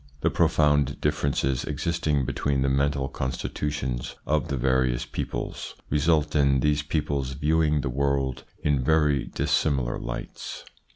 The profound differences existing between the mental constitutions of the various peoples result in these peoples viewing the world in very dissimilar lights.